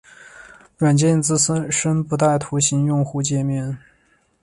软件自身不带图形用户界面。